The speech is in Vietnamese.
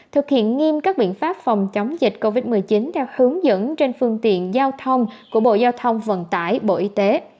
thực hiện nghiêm các biện pháp phòng chống dịch covid một mươi chín theo hướng dẫn trên phương tiện giao thông của bộ giao thông vận tải bộ y tế